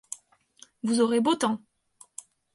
Vous aurez beau temps.